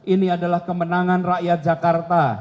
ini adalah kemenangan rakyat jakarta